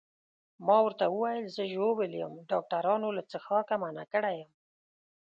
ما ورته وویل زه ژوبل یم، ډاکټرانو له څښاکه منع کړی یم.